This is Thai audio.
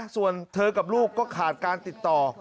ส่วนเธอกับลูกก็ขาดการติดต่อ